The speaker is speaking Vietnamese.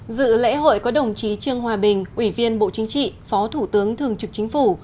dự lễ hội có đồng chí trương hòa bình ủy viên bộ chính trị phó thủ tướng thường trực chính phủ